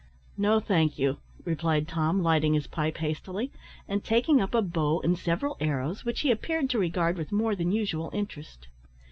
"No, thank you," replied Tom, lighting his pipe hastily, and taking up a bow and several arrows, which he appeared to regard with more than usual interest.